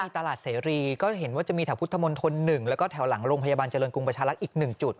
ตลาดเสรีก็เห็นว่าจะมีแถวพุทธมนตร๑แล้วก็แถวหลังโรงพยาบาลเจริญกรุงประชารักษ์อีก๑จุด